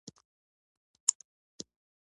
جُوجُو ټوپ کړل، د هلک پر اوږه کېناست: